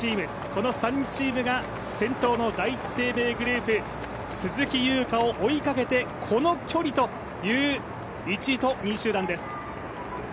この３チームが先頭の第一生命グループ、鈴木優花を追いかけて、この距離という１位と２位集団です。